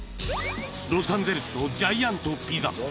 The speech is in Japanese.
［ロサンゼルスのジャイアントピザ］